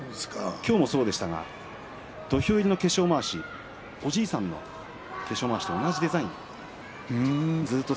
今日もそうですが、土俵入りの化粧まわしおじいさんの化粧まわしと同じデザインなんです。